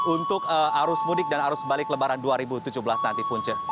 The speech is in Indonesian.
untuk arus mudik dan arus balik lebaran dua ribu tujuh belas nanti punca